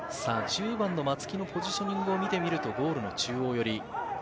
１０番の松木のポジショニングを見てみるとゴールの中央寄り。